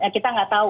kita tidak tahu